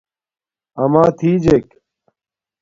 اماتھجک